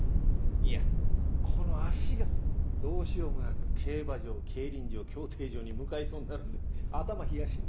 いやこの足がどうしようもなく競馬場競輪場競艇場に向かいそうになるんで頭冷やしに。